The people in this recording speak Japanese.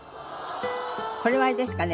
これはあれですかね。